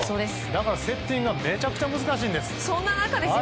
だからセッティングがめちゃくちゃ難しいんです。